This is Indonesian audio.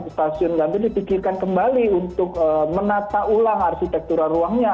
di stasiun gambir dipikirkan kembali untuk menata ulang arsitektural ruangnya